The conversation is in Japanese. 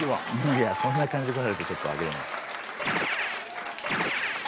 いやそんな感じで来られるとちょっとあげれないです。